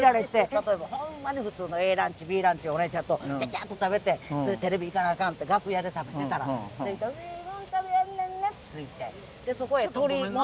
例えばほんまに普通のＡランチＢランチをお姉ちゃんとチャチャッと食べて次テレビ行かなアカンって楽屋で食べてたら「ええもん食べはんねんな」って。え？